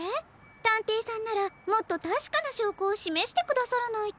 たんていさんならもっとたしかなしょうこをしめしてくださらないと。